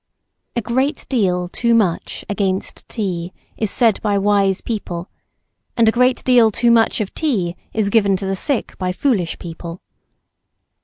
] A great deal too much against tea is said by wise people, and a great deal too much of tea is given to the sick by foolish people.